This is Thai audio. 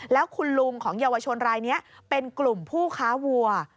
แล้วคุณลุงของเยาวชนรายนี้เป็นกลุ่มผู้ค้าวัว